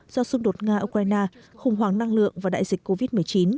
do xung đột nga ukraine khủng hoảng năng lượng và đại dịch covid một mươi chín